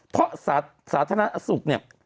เพราะสาธารณสุขเนี่ย